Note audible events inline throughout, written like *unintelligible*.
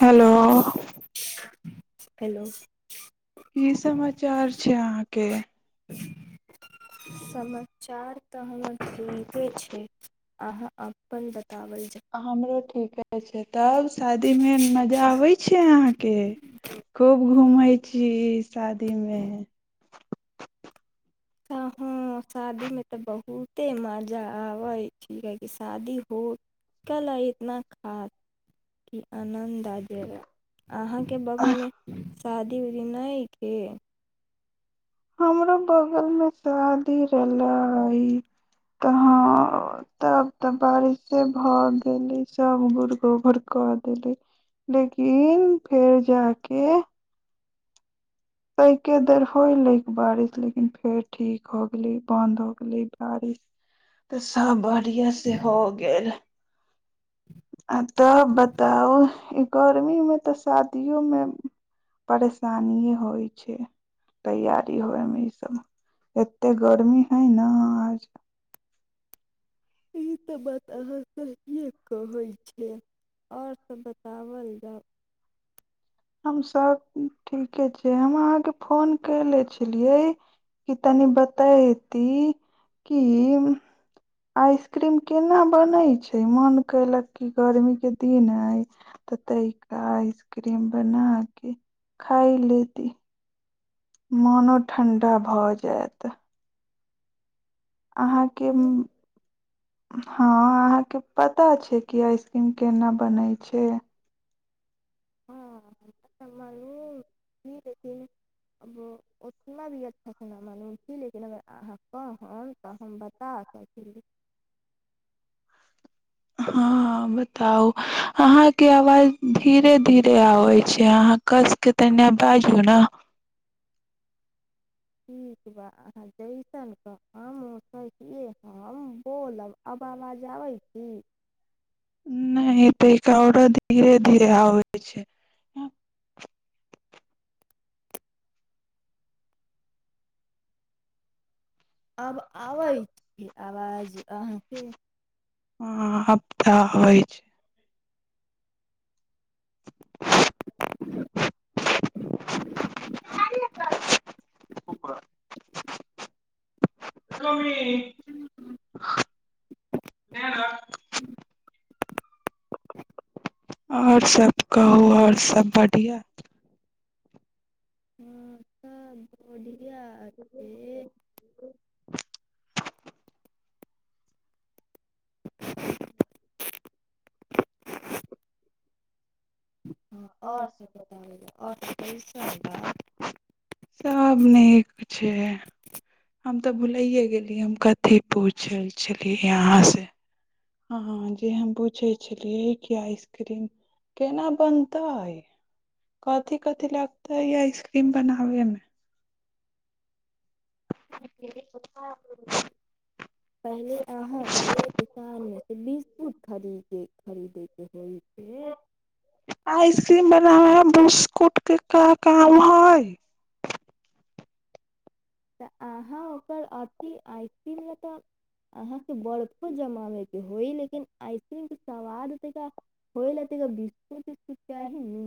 hello hello की समाचार छै अहाँके समाचार तऽ हमर ठीके छैय अहाँ अपन ब- *unintelligible* हमरो ठीके छैय तब शादी में मजा आबै छैय अहाँके खूब घूमै छी शादी मे हँ हँ शादीमे तऽ बहुते मजा आबै छैय किया की शादी हो गैले इतना खास कि आनन्द आ जाएगा अहाँके बगलमे शादी उदी नहि के हमरो बगलमे शादी रहलै तऽ हँ तब तऽ बारिशे भऽ गेलै सभ गुड़ गोबर कऽ देलकै लेकिन फेर जा के कै के देर होयलै बारिश लेकिन फेर ठीक हो गेले बन्द हो गेले बारिश तऽ सभ बढ़िआँ से हो गेल आ तब बताउ ई गर्मीमे तऽ शादियोमे परेशानीए होइ छैय तैयारी होइ मे इसभ एतेक गर्मी हइ ने आज ई त बात अहाँ सहिए कहै छियै आओर सभ बताओल जाउ हमसभ ठीके छै हम अहाँके फोन केले छलियै कि तनि बतयती की आइसक्रीम केना बनै छै मन कयलक की गर्मीक के दिन अइ तऽ तनिक आइसक्रीम बना के खाइ लेती मोनो ठण्डा भऽ जायत अहाँके आइसक्रीम हँ अहाँके पता छै की आइसक्रीम केना बनै छै हँ हमऽ मालूम छी लेकिन अब उतना भी अच्छासँ नहि मालूम छी लेकिन अगर अहाँ कहम तऽ हम बता सकली हँ बताउ अहाँके आवाज धीरे धीरे आबै छै अहाँ कसके तनि बाजू ने ठीक बा अहाँ जैसन कहब हम ओसहियै हम बोलब अब आवाज आबै छी नहि आओरो धीरे धीर आबै छै अब आबै छै आवाज अहाँके हँ आब तऽ आबै छै *unintelligible* *unintelligible* *unintelligible* छै आओर सब कहू आओर सब बढ़िआँ हँ त ब *unintelligible* *unintelligible* *unintelligible* *unintelligible* हँ आओर सब बताबै आओर सब कैसन बा सब नीक छै हम तऽ भुलायै गेलियै हम कथि पूछै छलियै अहाँसे हँ जे हम पूछै छलियै कि आइसक्रीम केना बनतै कथि कथि लगतै आइसक्रीम बनाबेमे *unintelligible* पहिले अहाँके दुकानमे से बिस्कुट खरीद खरीदैके होइ छै बिस्कुटके के का काम हइ तऽ अहाँ ओकर अथि आ- *unintelligible* अहाँके बर्फो जमाबै के होइ लेकिन आइसक्रीम सवाद तिका होइल त बिसकुट उसकूट चाही नु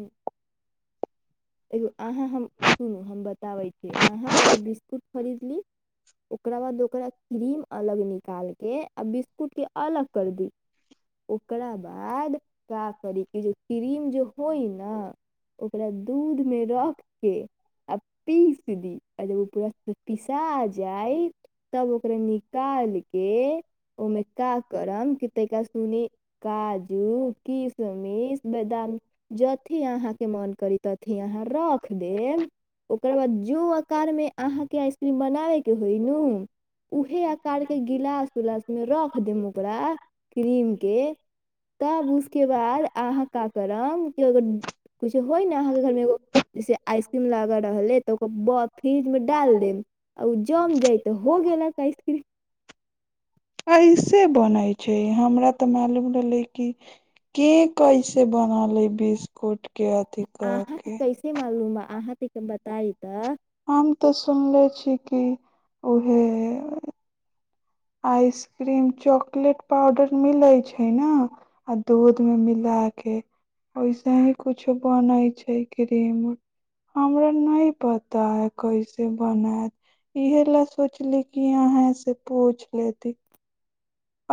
एगो अहाँ हम सुनू हम बताबै छी अहाँ पहिले बिस्- -कूट खरीद ली ओकरा बाद ओकरा क्रीम अलग निकालके आ बिस्कुट के अलग कर दी ओकरा बाद का करी कि जे क्रीम जे होई ने ओकरा दूध मे रख के आ पीस दी आ जब ओ पूरा पिसाज- जायत तब ओकरा निकालके ओमे का करम के तैका सुनी काजू किशमिश बदाम जथेह अहाँ के मन करी तथी अहाँ रख देब ओकरा बाद जो आकार मे अहाँ के आइसक्रीम बनाबे के होइ नू उहे आकार के गिलास उलास मे रख देम ओकरा क्रीम के तब उसके बाद अहाँ का करम की होइ ने अहाँके घर मे एगो जैसे आइसक्रीम लागऽ रहलै तऽ ब-ओकर फ्रिज मे डाल देब आ उ जम जाइत त हो गेला आइस्क्रीम ऐसे बनै छै हमरा तऽ मालूम रहले की के कैसे बनालै बिस्कुट के अथि कऽ अहाँके के कैसे मालूम बा अहाँ के बताई त हम तऽ सुनले छी कि उहे आइसक्रीम चॉकलेट पाउडर मिलै छैय न आ दूध मे मिलाके ओहिसे ही कुछो बनै छैय क्रीम उ हमरा नहि पता कैसे बनायत इहेलए सोचली कि अहाँ से पूछ लेती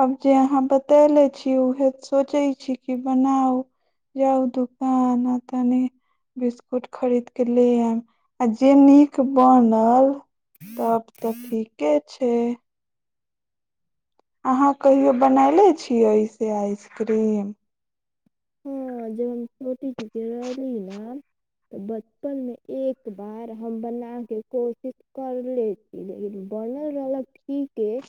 आब जे अहाँ बतले छी उहे सोचै छी कि बनाउ जाउ दुकान आ तनि बिस्कुट खरीदके ले आयब आ जे नीक बनल तब तऽ ठीक के छे अहाँ कहियो बनायले छियै एसे आइसक्रीम हँ जब हम छोटी जीके रहली ने तऽ बचपनमे एक बार हम बनाके कोशिश करले छी लेकिन बनल रहलक ठीके कऽ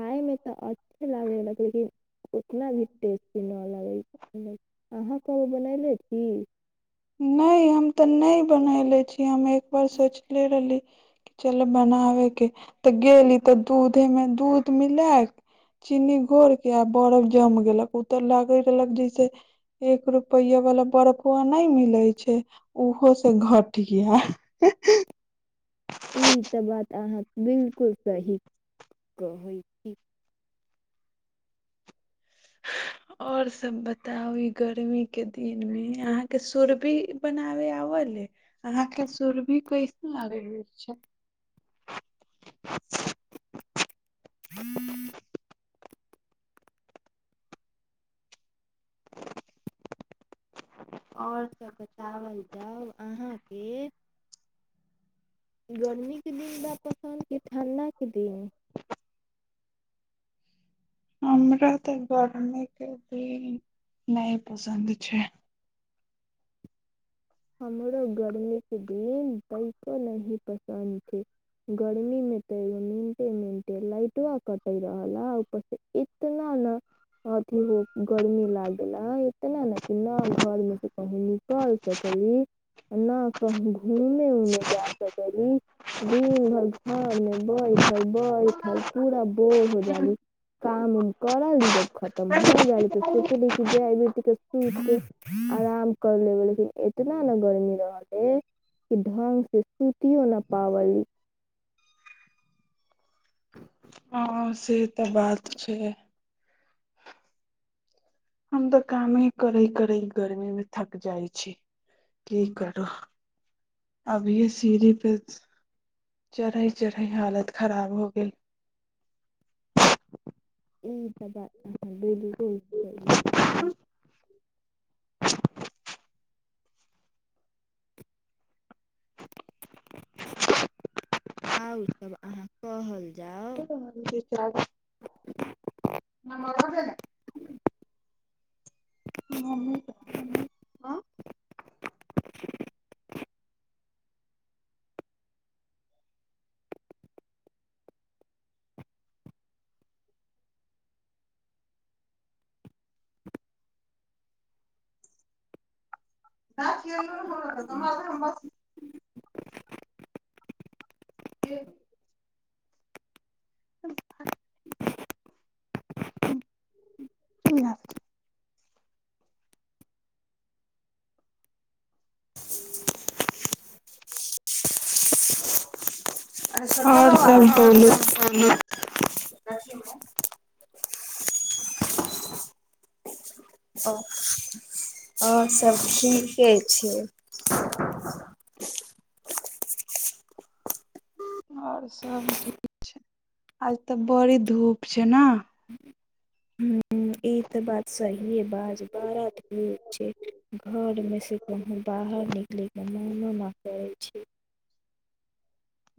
खायमे तऽ अच्छे लागेला लेकिन उतना भी टेस्टी न लगै ह- अहाँ नहि हम तऽ नहि बनले छी हम एक बार सोचले रहली कि चल बनाबेके तऽ गेली तऽ दूधे मे दूध मिलाके चीनी घोर के आ बर्फ जम गेलक उ त लागे रहलक जैसे एक रुपया वला बरफुआ नहि मिले छै उहो से घटिया ई तऽ बात अहाँ बिल्कुल सही कहै छी आओर सब बताउ ई गर्मी के दिन मे अहाँके सुरभी बनाबे आबले अहाँके सुरभी कैसन लागै छै आओर और सब सभ बताओल बताउ जाउ अहाँके गर्मीके दिन बा पसन्द की ठण्डा के दिन हमरा तऽ गर्मीके दिन नहि पसन्द छै हमरो गर्मीके दिन कनिको नहि पसन्द छै गर्मी मे तऽ एगो मिनटे मिनटे लाइटबा कटे रहेला ऊपरसे इतना ने अथी हो गर्मी लागेला इतना ने ना घरमे सुत कहुँ निकल सक - -ली न कहूँ घूमे उमे जा सकली दिन भरि घर मे बैठल बैठल पूरा बोर हो जाली काम उम करली जब खतम हो जाली तऽ सोचली क जय बेटी के सुत के आराम कर लेबे लेकिन इतना ने गर्मी रहले कि ढंग से सूतियो न पावली हँ से तऽ बात छै हम तऽ कामे करै करै गर्मी मे थक जाइ छी की करु अभीये सीढ़ी पे चढ़ै चढ़ई हालत खराब हो गेल ई तऽ बात अहाँ बिलकुल सही कही आउर सब अहाँ कहल जा *unintelligible* नंबर द दे न मम्मी के हंँ टास्क यर ऐलो रहे *unintelligible* बस के *unintelligible* हूँ की हाल छै आओर अरे सब बोलू सत्तर बाबा हेथीन आओर सब बोलू *unintelligible* आओर सभ ठीके छै *unintelligible* आओर सब ठीक छै आज तऽ बड़ी धूप छै न हूँ ई तऽ बात सहिए बाज बारा धूप छै घरमे सँ कहूँ बाहर निकलयै के मनो नै करै छै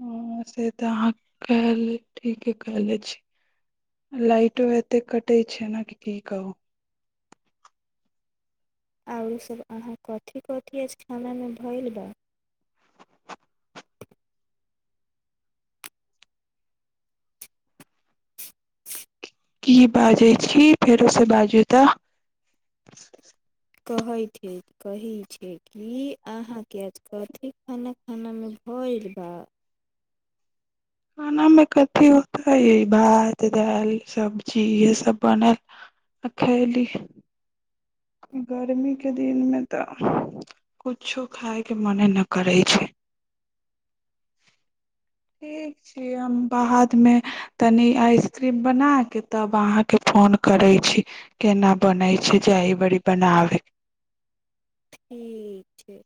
हँ से तऽ अहाँ कहल ठीके कहले छी लाइटो एतेक कटै छै ने के की कहू आओर सभ अहाँ कथि कथि अछि खाना मे भइल बा की बाजैय छी फेरोसँ बाजू तऽ कहै छी कहै छै की अहाँके आज कथि खाना खाना खानामे भइल बा खानामे कथि होतै भात दालि सब्जी इएहसभ बनल आ खयली गर्मी के दिन मे तऽ कुछो खाय के मने न करै छै ठीक छी हम बाद मे तनि आइसक्रीम बनाके तब अहाँके फोन करै छी केना बनैछै जायब बरी बनाबै ठीक छै